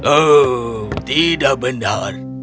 oh tidak benar